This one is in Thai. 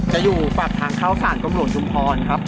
อยู่ปากทางเข้าสารตำรวจชุมพรครับ